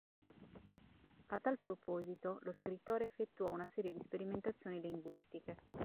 A tal proposito, lo scrittore effettuò una serie di sperimentazioni linguistiche.